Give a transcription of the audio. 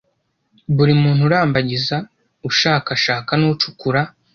Buri muntu urambagiza ushakashaka n ucukura